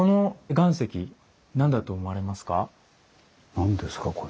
何ですかこれ。